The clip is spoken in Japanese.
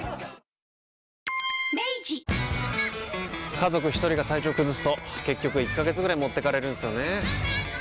家族一人が体調崩すと結局１ヶ月ぐらい持ってかれるんすよねー。